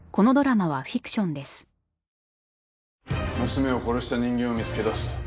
娘を殺した人間を見つけ出す。